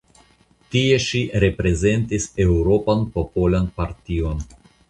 Tie ŝi reprezentis Eŭropan Popolan Partion.